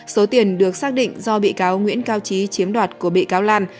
số tiền được xác định do bị cáo nguyễn cao trí chiếm đoạt của bị cáo lan